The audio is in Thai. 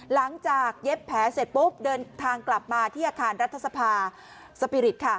เย็บแผลเสร็จปุ๊บเดินทางกลับมาที่อาคารรัฐสภาสปีริตค่ะ